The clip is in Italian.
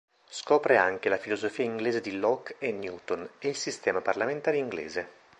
Scopre anche la filosofia inglese di Locke e Newton e il sistema parlamentare inglese.